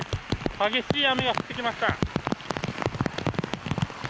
激しい雨が降ってきました。